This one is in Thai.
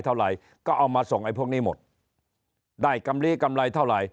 เท่าไหร่ก็เอามาส่งไอ้พวกนี้หมดได้กำลีกำไรเท่าไหร่